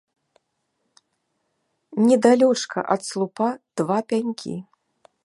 Недалёчка ад слупа два пянькі.